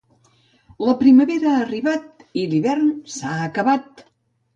La primavera ha arribat i l'hivern s'ha acabat.